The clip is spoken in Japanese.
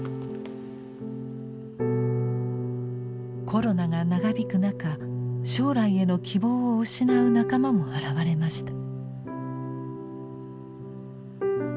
コロナが長引く中将来への希望を失う仲間も現れました。